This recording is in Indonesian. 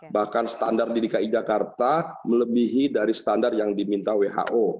bahkan standar di dki jakarta melebihi dari standar yang diminta who